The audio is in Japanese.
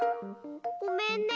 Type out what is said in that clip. ごめんね。